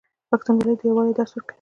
پښتونولي د یووالي درس ورکوي.